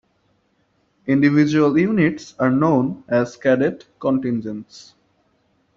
Individual units are known as Cadet Contingents.